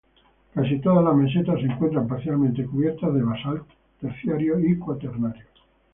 Casi todas las mesetas se encuentran parcialmente cubiertas de basaltos terciarios y cuaternarios.